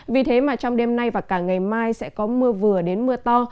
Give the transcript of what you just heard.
vì thế mà trong đêm nay và cả ngày mai sẽ có mưa vừa đến mưa to